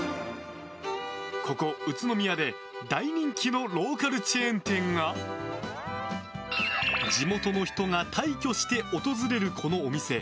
ここ宇都宮で大人気のローカルチェーン店が地元の人が大挙して訪れるこのお店。